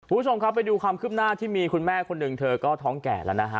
คุณผู้ชมครับไปดูความคืบหน้าที่มีคุณแม่คนหนึ่งเธอก็ท้องแก่แล้วนะฮะ